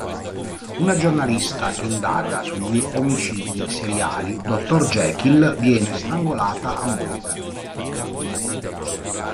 Una giornalista che indaga sugli omicidi seriali dottor Jekyll viene strangolata a morte.